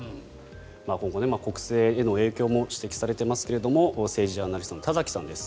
今後、国政への影響も指摘されていますが政治ジャーナリストの田崎さんです。